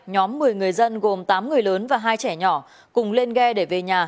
nhóm một mươi người dân gồm tám người lớn và hai trẻ nhỏ cùng lên ghe để về nhà